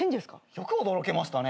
よく驚けましたね。